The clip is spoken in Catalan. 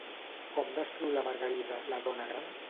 Com descriu la Margarida, la dona gran?